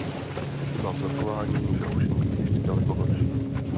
Chyba vzorkování může ovšem být ještě daleko horší.